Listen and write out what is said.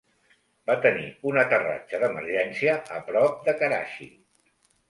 Va tenir un aterratge d'emergència a prop de Karachi.